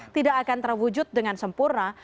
tidak akan terwujud dengan sempurna